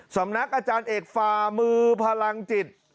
สำนักอาจารย์เอกฟามือพลังจิต